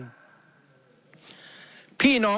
พี่น้องประชาชน